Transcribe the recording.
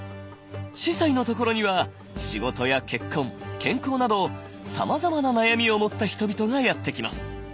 司祭のところには仕事や結婚健康などさまざまな悩みを持った人々がやって来ます。